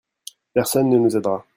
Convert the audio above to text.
Personne ne nous aidera.